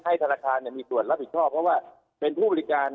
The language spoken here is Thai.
จะให้ธนาคารเนี่ยมีตรวจรับผิดชอบเพราะว่าเป็นผู้บริการ